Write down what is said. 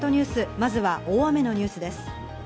まずは大雨のニュースです。